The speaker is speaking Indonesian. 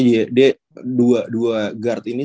dia dua guard ini